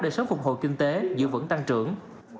để sớm phục hồi kinh tế giữ vững tăng trưởng